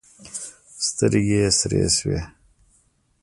سترګې یې سرې شوې.